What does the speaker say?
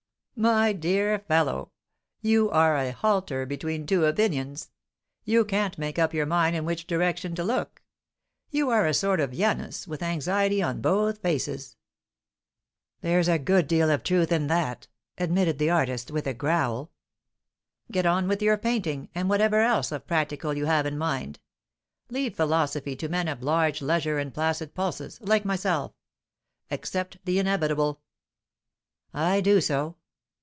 "My dear fellow, you are a halter between two opinions. You can't make up your mind in which direction to look. You are a sort of Janus, with anxiety on both faces." "There's a good deal of truth in that," admitted the artist, with a growl. "Get on with your painting, and whatever else of practical you have in mind. Leave philosophy to men of large leisure and placid pulses, like myself. Accept the inevitable." "I do so."